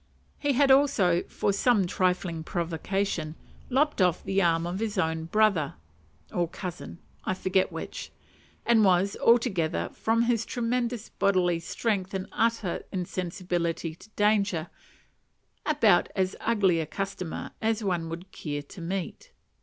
He also had, for some trifling provocation, lopped off the arm of his own brother, or cousin, I forget which; and was, altogether, from his tremendous bodily strength and utter insensibility to danger, about as "ugly a customer" as one would care to meet.